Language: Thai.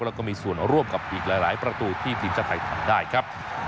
แล้วก็มีส่วนร่วมกับอีกหลายประตูที่ทีมชาติไทยทำได้ครับ